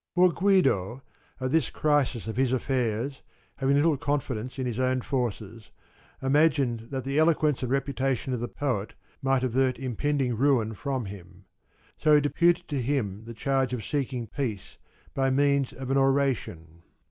For Guido, at this crisis of his affairs, having little confidence in his own forces, imagined that the eloquence and reputation of the poet might avert impending ruin from him. So he deputed to him the charge of seeking peace by means of an oration.